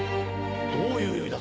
どういう意味だ？